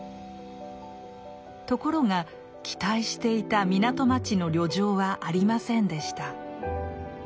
ところが期待していた港町の旅情はありませんでした。